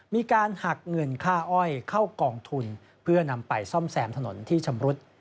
มีการหักเงินค่าอ้อยเข้ากองทุนเพื่อนำไปซ่อมแซมถนนที่ชำรุด